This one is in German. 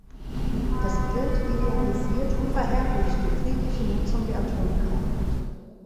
Das Bild idealisiert und verherrlicht die friedliche Nutzung der Atomkraft.